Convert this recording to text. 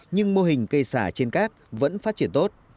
nhưng mô hình cây xả trên cát vẫn phát triển tốt